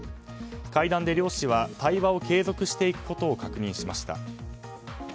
会談で両氏は対話を継続していくことを確認しました。